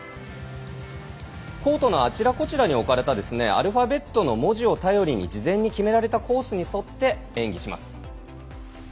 コートのあちらこちらに置かれたですね、アルファベットの文字を頼りに事前に決められたコースに沿って演技します。